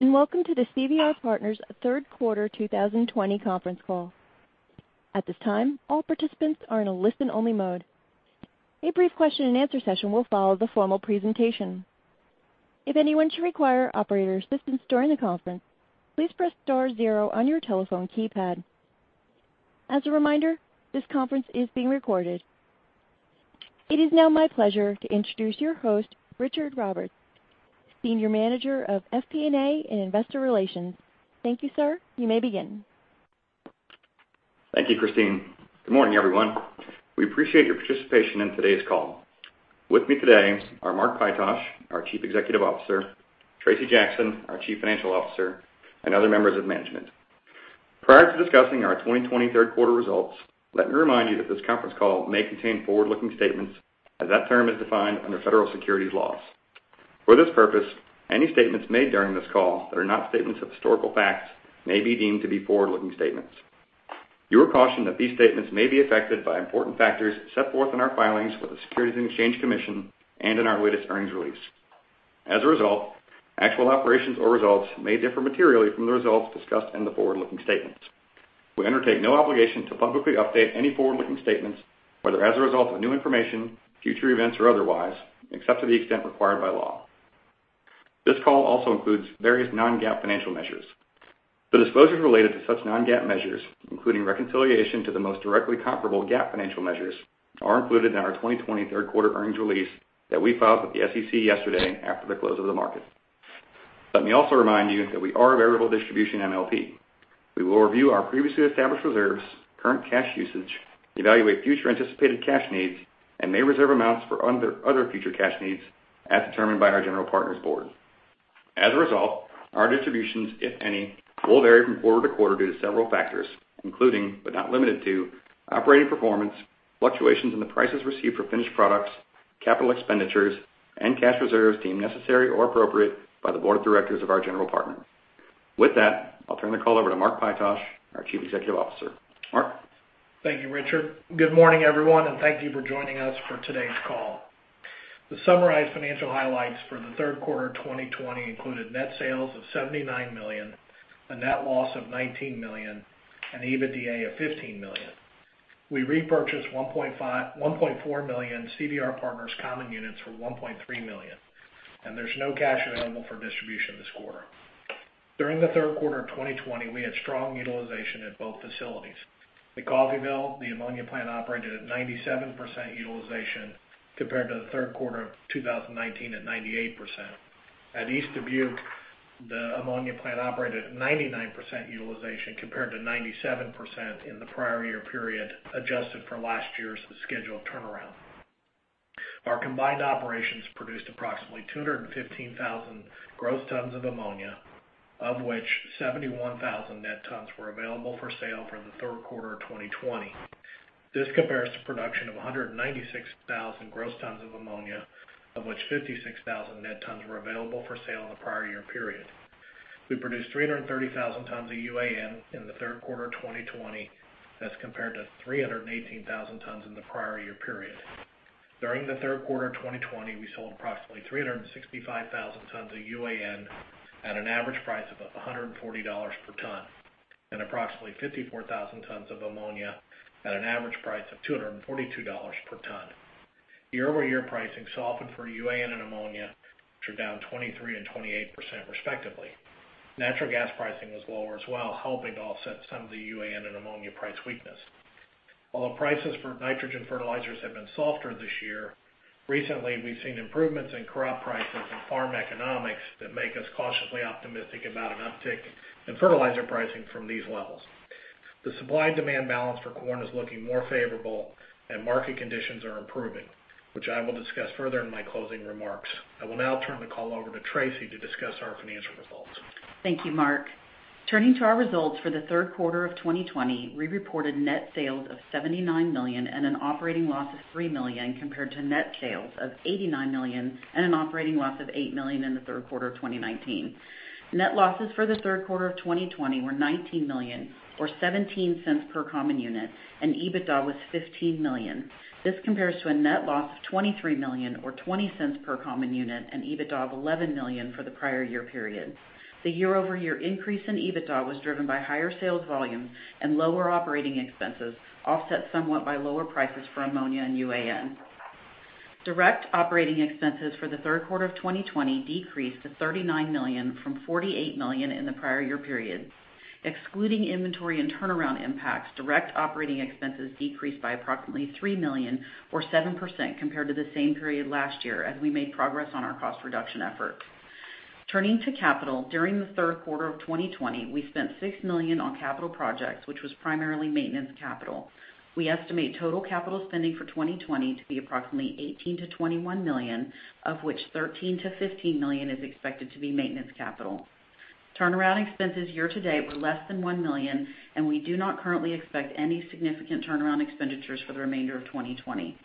Welcome to the CVR Partners third quarter 2020 conference call. At this time, all participants are in a listen-only mode. A brief question and answer session will follow the formal presentation. If anyone should require operator assistance during the conference, please press star zero on your telephone keypad. As a reminder, this conference is being recorded. It is now my pleasure to introduce your host, Richard Roberts, Senior Manager of FP&A and Investor Relations. Thank you, sir. You may begin. Thank you, Christine. Good morning, everyone. We appreciate your participation in today's call. With me today are Mark Pytosh, our Chief Executive Officer, Tracy Jackson, our Chief Financial Officer, and other members of management. Prior to discussing our 2020 third quarter results, let me remind you that this conference call may contain forward-looking statements as that term is defined under federal securities laws. For this purpose, any statements made during this call that are not statements of historical facts may be deemed to be forward-looking statements. You are cautioned that these statements may be affected by important factors set forth in our filings with the Securities and Exchange Commission and in our latest earnings release. As a result, actual operations or results may differ materially from the results discussed in the forward-looking statements. We undertake no obligation to publicly update any forward-looking statements, whether as a result of new information, future events, or otherwise, except to the extent required by law. This call also includes various non-GAAP financial measures. The disclosures related to such non-GAAP measures, including reconciliation to the most directly comparable GAAP financial measures, are included in our 2020 third quarter earnings release that we filed with the SEC yesterday after the close of the market. Let me also remind you that we are a variable distribution MLP. We will review our previously established reserves, current cash usage, evaluate future anticipated cash needs, and may reserve amounts for other future cash needs as determined by our general partner's board. As a result, our distributions, if any, will vary from quarter to quarter due to several factors, including, but not limited to, operating performance, fluctuations in the prices received for finished products, capital expenditures, and cash reserves deemed necessary or appropriate by the board of directors of our general partner. With that, I'll turn the call over to Mark Pytosh, our Chief Executive Officer. Mark? Thank you, Richard. Good morning, everyone, and thank you for joining us for today's call. The summarized financial highlights for the third quarter 2020 included net sales of $79 million, a net loss of $19 million, and EBITDA of $15 million. We repurchased 1.4 million CVR Partners common units for $1.3 million, and there's no cash available for distribution this quarter. During the third quarter of 2020, we had strong utilization at both facilities. At Coffeyville, the ammonia plant operated at 97% utilization compared to the third quarter of 2019 at 98%. At East Dubuque, the ammonia plant operated at 99% utilization compared to 97% in the prior year period, adjusted for last year's scheduled turnaround. Our combined operations produced approximately 215,000 gross tons of ammonia, of which 71,000 net tons were available for sale for the third quarter of 2020. This compares to production of 196,000 gross tons of ammonia, of which 56,000 net tons were available for sale in the prior year period. We produced 330,000 tons of UAN in the third quarter 2020 as compared to 318,000 tons in the prior year period. During the third quarter of 2020, we sold approximately 365,000 tons of UAN at an average price of $140 per ton, and approximately 54,000 tons of ammonia at an average price of $242 per ton. Year-over-year pricing softened for UAN and ammonia, which are down 23% and 28% respectively. Natural gas pricing was lower as well, helping to offset some of the UAN and ammonia price weakness. While prices for nitrogen fertilizers have been softer this year, recently, we've seen improvements in crop prices and farm economics that make us cautiously optimistic about an uptick in fertilizer pricing from these levels. The supply and demand balance for corn is looking more favorable and market conditions are improving, which I will discuss further in my closing remarks. I will now turn the call over to Tracy to discuss our financial results. Thank you, Mark. Turning to our results for the third quarter of 2020, we reported net sales of $79 million and an operating loss of $3 million, compared to net sales of $89 million and an operating loss of $8 million in the third quarter of 2019. Net losses for the third quarter of 2020 were $19 million, or $0.17 per common unit, and EBITDA was $15 million. This compares to a net loss of $23 million, or $0.20 per common unit, and EBITDA of $11 million for the prior year period. The year-over-year increase in EBITDA was driven by higher sales volumes and lower operating expenses, offset somewhat by lower prices for ammonia and UAN. Direct operating expenses for the third quarter of 2020 decreased to $39 million from $48 million in the prior year period. Excluding inventory and turnaround impacts, direct operating expenses decreased by approximately $3 million or 7% compared to the same period last year as we made progress on our cost reduction effort. Turning to capital, during the third quarter of 2020, we spent $6 million on capital projects, which was primarily maintenance capital. We estimate total capital spending for 2020 to be approximately $18 million-$21 million, of which $13 million-$15 million is expected to be maintenance capital. Turnaround expenses year to date were less than $1 million, and we do not currently expect any significant turnaround expenditures for the remainder of 2020.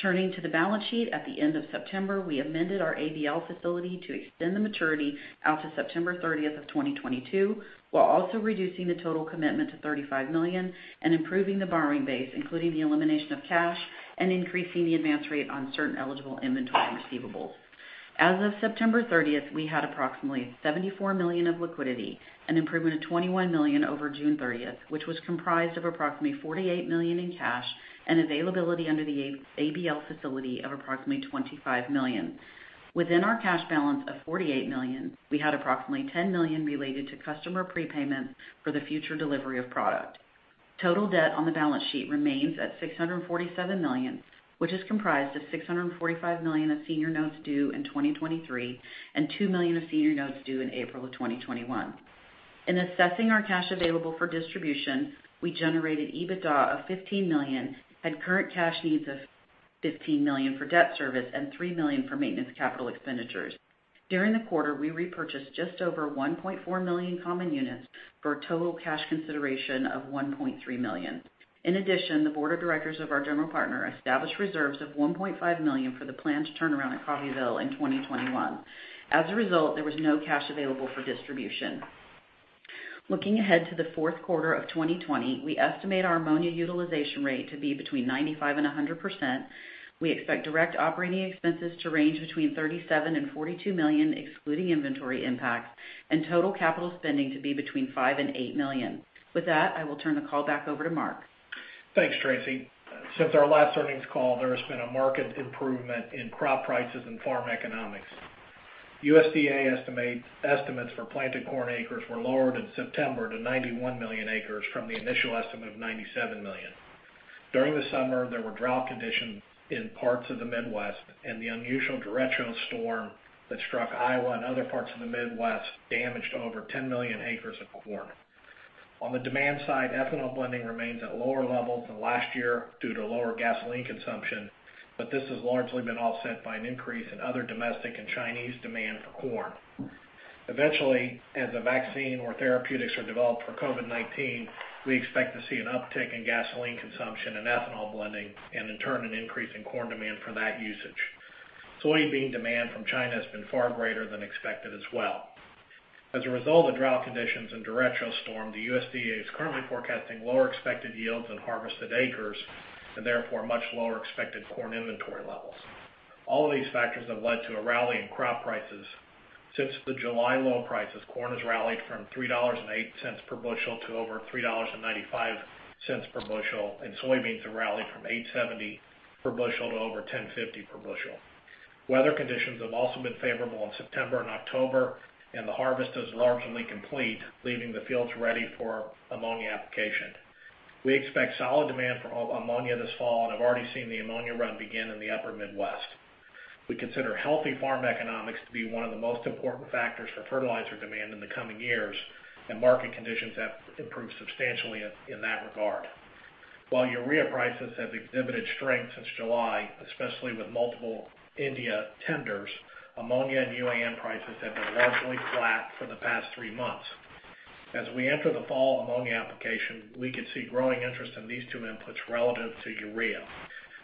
Turning to the balance sheet, at the end of September, we amended our ABL facility to extend the maturity out to September 30th of 2022, while also reducing the total commitment to $35 million and improving the borrowing base, including the elimination of cash and increasing the advance rate on certain eligible inventory and receivables. As of September 30th, we had approximately $74 million of liquidity, an improvement of $21 million over June 30th, which was comprised of approximately $48 million in cash and availability under the ABL facility of approximately $25 million. Within our cash balance of $48 million, we had approximately $10 million related to customer prepayments for the future delivery of product. Total debt on the balance sheet remains at $647 million, which is comprised of $645 million of senior notes due in 2023 and $2 million of senior notes due in April of 2021. In assessing our cash available for distribution, we generated EBITDA of $15 million, had current cash needs of $15 million for debt service and $3 million for maintenance capital expenditures. During the quarter, we repurchased just over 1.4 million common units for a total cash consideration of $1.3 million. In addition, the board of directors of our general partner established reserves of $1.5 million for the planned turnaround at Coffeyville in 2021. As a result, there was no cash available for distribution. Looking ahead to the fourth quarter of 2020, we estimate our ammonia utilization rate to be between 95% and 100%. We expect direct operating expenses to range between $37 million and $42 million, excluding inventory impacts, and total capital spending to be between $5 million and $8 million. With that, I will turn the call back over to Mark. Thanks, Tracy. Since our last earnings call, there has been a market improvement in crop prices and farm economics. USDA estimates for planted corn acres were lowered in September to 91 million acres from the initial estimate of 97 million. During the summer, there were drought conditions in parts of the Midwest, and the unusual derecho storm that struck Iowa and other parts of the Midwest damaged over 10 million acres of corn. On the demand side, ethanol blending remains at lower levels than last year due to lower gasoline consumption, but this has largely been offset by an increase in other domestic and Chinese demand for corn. Eventually, as a vaccine or therapeutics are developed for COVID-19, we expect to see an uptick in gasoline consumption and ethanol blending, and in turn, an increase in corn demand for that usage. Soybean demand from China has been far greater than expected as well. As a result of drought conditions and derecho storm, the USDA is currently forecasting lower expected yields on harvested acres, and therefore much lower expected corn inventory levels. All of these factors have led to a rally in crop prices. Since the July low prices, corn has rallied from $3.08 per bushel to over $3.95 per bushel, and soybeans have rallied from $8.70 per bushel to over $10.50 per bushel. Weather conditions have also been favorable in September and October, and the harvest is largely complete, leaving the fields ready for ammonia application. We expect solid demand for ammonia this fall and have already seen the ammonia run begin in the upper Midwest. We consider healthy farm economics to be one of the most important factors for fertilizer demand in the coming years, and market conditions have improved substantially in that regard. While urea prices have exhibited strength since July, especially with multiple India tenders, ammonia and UAN prices have been largely flat for the past three months. As we enter the fall ammonia application, we could see growing interest in these two inputs relative to urea.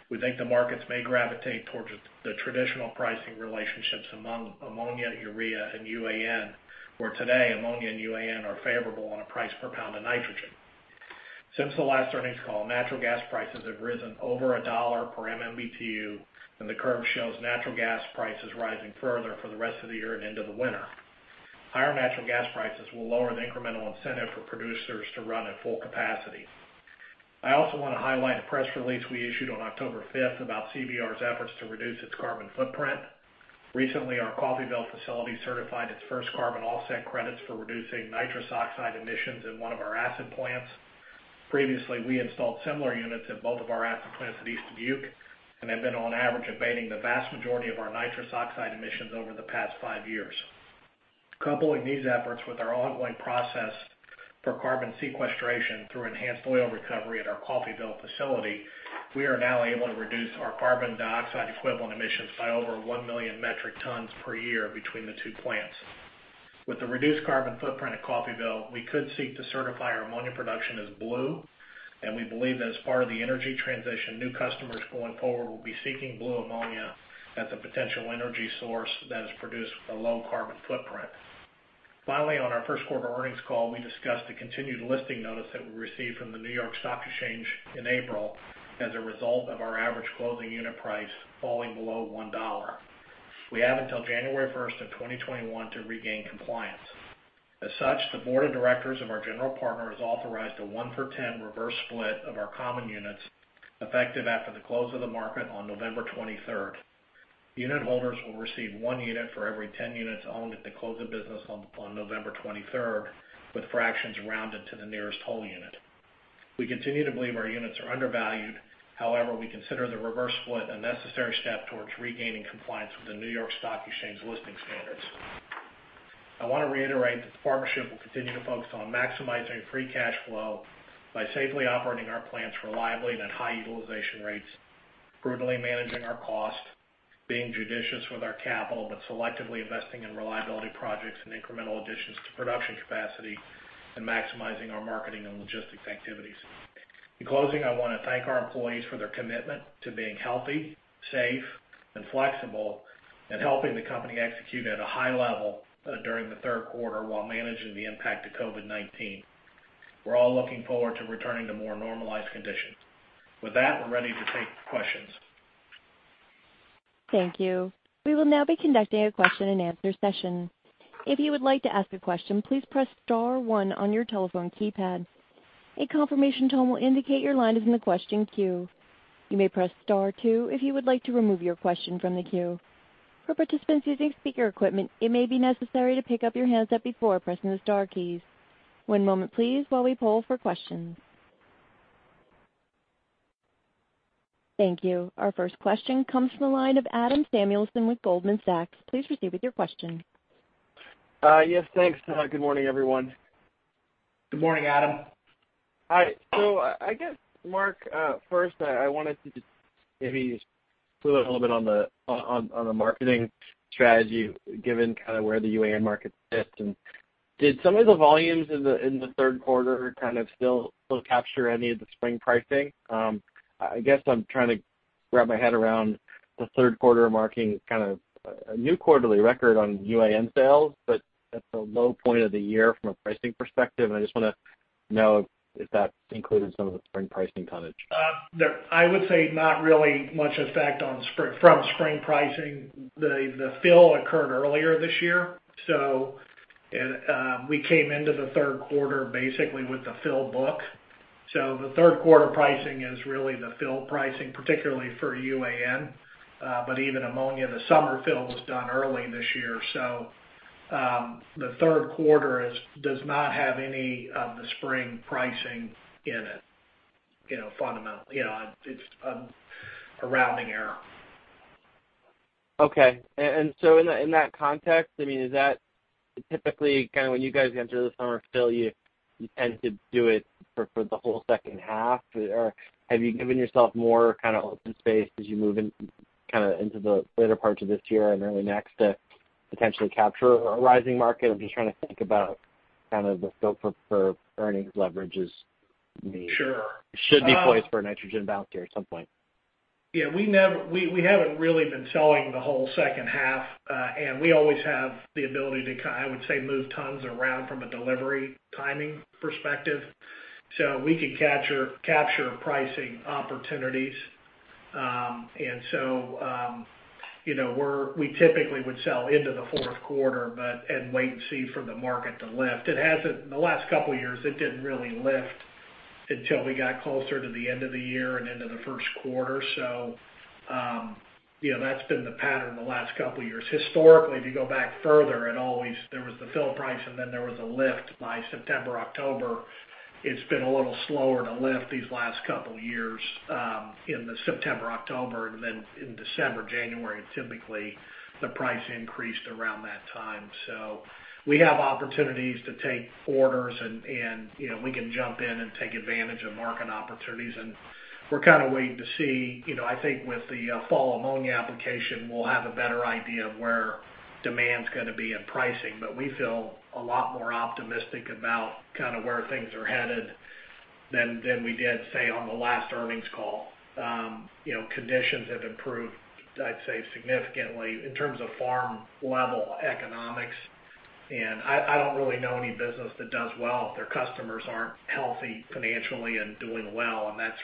We think the markets may gravitate towards the traditional pricing relationships among ammonia, urea, and UAN, where today, ammonia and UAN are favorable on a price per pound of nitrogen. Since the last earnings call, natural gas prices have risen over $1 per MMBtu, and the curve shows natural gas prices rising further for the rest of the year and into the winter. Higher natural gas prices will lower the incremental incentive for producers to run at full capacity. I also want to highlight a press release we issued on October 5th about CVR's efforts to reduce its carbon footprint. Recently, our Coffeyville facility certified its first carbon offset credits for reducing nitrous oxide emissions in one of our acid plants. Previously, we installed similar units at both of our acid plants at East Dubuque, and have been on average, abating the vast majority of our nitrous oxide emissions over the past five years. Coupling these efforts with our ongoing process for carbon sequestration through enhanced oil recovery at our Coffeyville facility, we are now able to reduce our carbon dioxide equivalent emissions by over 1 million metric tons per year between the two plants. With the reduced carbon footprint at Coffeyville, we could seek to certify our ammonia production as blue, we believe that as part of the energy transition, new customers going forward will be seeking blue ammonia as a potential energy source that is produced with a low carbon footprint. Finally, on our first quarter earnings call, we discussed the continued listing notice that we received from the New York Stock Exchange in April as a result of our average closing unit price falling below $1. We have until January 1st, 2021 to regain compliance. The board of directors of our general partner has authorized a 1-for-10 reverse split of our common units, effective after the close of the market on November 23rd. Unit holders will receive one unit for every 10 units owned at the close of business on November 23rd, with fractions rounded to the nearest whole unit. We continue to believe our units are undervalued. However, we consider the reverse split a necessary step towards regaining compliance with the New York Stock Exchange listing standards. I want to reiterate that the partnership will continue to focus on maximizing free cash flow by safely operating our plants reliably and at high utilization rates, prudently managing our cost, being judicious with our capital, but selectively investing in reliability projects and incremental additions to production capacity, and maximizing our marketing and logistics activities. In closing, I want to thank our employees for their commitment to being healthy, safe, and flexible, and helping the company execute at a high level during the third quarter while managing the impact of COVID-19. We're all looking forward to returning to more normalized conditions. With that, we're ready to take questions. Thank you. We will now be conducting a question and answer session. If you would like to ask a question, please press star one on your telephone keypad. A confirmation tone will indicate your line is in the question queue. You may press star two if you would like to remove your question from the queue. For participants using speaker equipment, it may be necessary to pick up your handset before pressing the star keys. One moment, please, while we poll for questions. Thank you. Our first question comes from the line of Adam Samuelson with Goldman Sachs. Please proceed with your question. Yes, thanks. Good morning, everyone. Good morning, Adam. Hi. I guess, Mark, first, I wanted to just maybe just fill in a little bit on the marketing strategy, given kind of where the UAN market sits. Did some of the volumes in the third quarter kind of still capture any of the spring pricing? I guess I'm trying to wrap my head around the third quarter marking kind of a new quarterly record on UAN sales, but at the low point of the year from a pricing perspective. I just want to know if that included some of the spring pricing tonnage. I would say not really much effect from spring pricing. The fill occurred earlier this year, so we came into the third quarter basically with a filled book. The third quarter pricing is really the fill pricing, particularly for UAN. Even ammonia, the summer fill was done early this year. The third quarter does not have any of the spring pricing in it fundamentally. It's a rounding error. Okay. In that context, is that typically when you guys get into the summer fill, you tend to do it for the whole second half? Or have you given yourself more kind of open space as you move into the later parts of this year and early next to potentially capture a rising market? I'm just trying to think about kind of the scope for earnings leverages maybe. Sure. Should be poised for a nitrogen bounce here at some point. Yeah, we haven't really been selling the whole second half. We always have the ability to, I would say, move tons around from a delivery timing perspective. We could capture pricing opportunities. We typically would sell into the fourth quarter and wait and see for the market to lift. The last couple of years, it didn't really lift until we got closer to the end of the year and into the first quarter. That's been the pattern the last couple of years. Historically, if you go back further, there was the fill price, then there was a lift by September, October. It's been a little slower to lift these last couple of years in the September, October, and then in December, January, typically the price increased around that time. We have opportunities to take orders, and we can jump in and take advantage of market opportunities. We're kind of waiting to see. I think with the fall of ammonia application, we'll have a better idea of where demand's going to be in pricing. We feel a lot more optimistic about kind of where things are headed than we did, say, on the last earnings call. Conditions have improved, I'd say, significantly in terms of farm-level economics. I don't really know any business that does well if their customers aren't healthy financially and doing well, and that's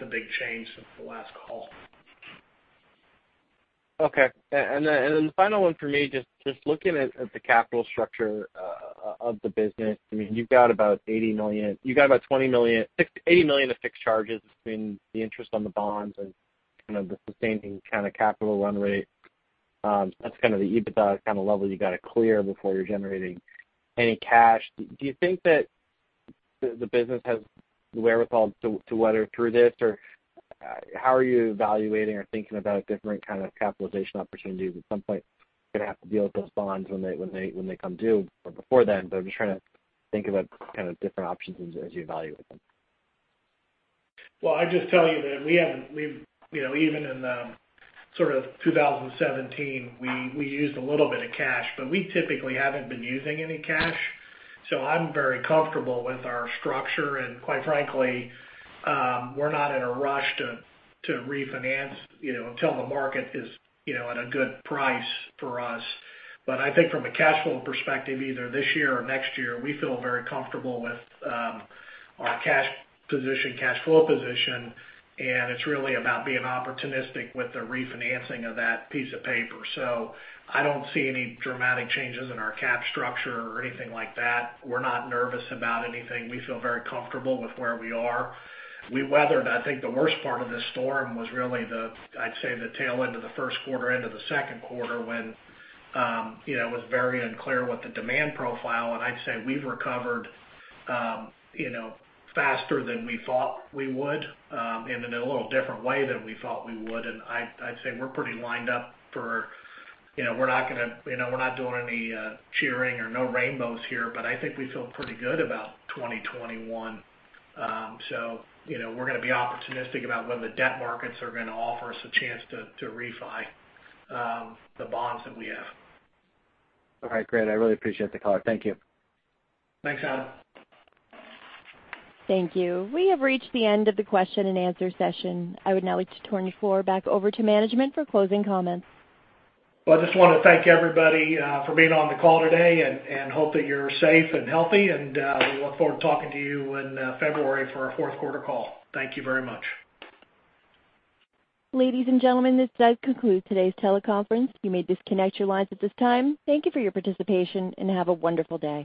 the big change since the last call. Okay. Then the final one for me, just looking at the capital structure of the business. You've got about $80 million of fixed charges between the interest on the bonds and the sustaining kind of capital run rate. That's kind of the EBITDA kind of level you got to clear before you're generating any cash. Do you think that the business has the wherewithal to weather through this? How are you evaluating or thinking about different kind of capitalization opportunities? At some point, you're going to have to deal with those bonds when they come due or before then. I'm just trying to think about kind of different options as you evaluate them. Well, I'll just tell you that even in sort of 2017, we used a little bit of cash, but we typically haven't been using any cash. I'm very comfortable with our structure. Quite frankly, we're not in a rush to refinance until the market is at a good price for us. I think from a cash flow perspective, either this year or next year, we feel very comfortable with our cash position, cash flow position, and it's really about being opportunistic with the refinancing of that piece of paper. I don't see any dramatic changes in our cap structure or anything like that. We're not nervous about anything. We feel very comfortable with where we are. We weathered, I think, the worst part of this storm was really the, I'd say, the tail end of the first quarter into the second quarter when it was very unclear what the demand profile. I'd say we've recovered faster than we thought we would and in a little different way than we thought we would. I'd say we're pretty lined up for, we're not doing any cheering or no rainbows here, but I think we feel pretty good about 2021. We're going to be opportunistic about when the debt markets are going to offer us a chance to refi the bonds that we have. All right, great. I really appreciate the call. Thank you. Thanks, Adam. Thank you. We have reached the end of the question and answer session. I would now like to turn the floor back over to management for closing comments. Well, I just want to thank everybody for being on the call today and hope that you're safe and healthy, and we look forward to talking to you in February for our fourth quarter call. Thank you very much. Ladies and gentlemen, this does conclude today's teleconference. You may disconnect your lines at this time. Thank you for your participation, and have a wonderful day.